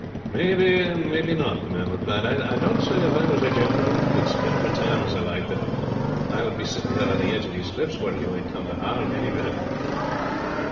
"Maybe and maybe not," the man replied. "I don't say if I was a gentleman, and could spind me time as I liked, that I would be sitting here on the edge of these cliffs, where you might come to harm any minute."